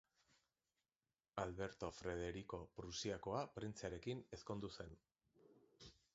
Alberto Frederiko Prusiakoa printzearekin ezkondu zen.